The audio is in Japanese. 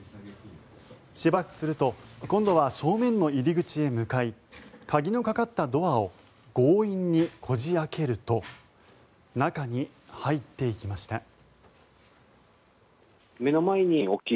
しばらくすると今度は正面の入り口へ向かい鍵のかかったドアを強引にこじ開けると中に入っていきました。